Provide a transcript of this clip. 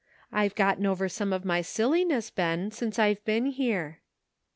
I've gotten over some of my silliness, Ben, since I've been here."